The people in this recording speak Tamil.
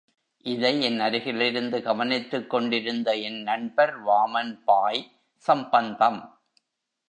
இதை என் அருகிலிருந்து கவனித்துக்கொண்டிருந்த என் நண்பர் வாமன்பாய், சம்பந்தம்!